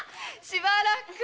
しばらく。